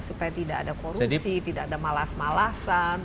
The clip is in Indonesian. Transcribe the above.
supaya tidak ada korupsi tidak ada malas malasan